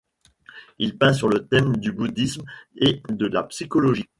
Il peint sur le thème du bouddhisme et de la psychologie.